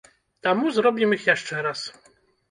Таму зробім іх яшчэ раз!